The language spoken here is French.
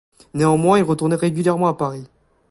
Néanmoins il retournait régulièrement à Paris.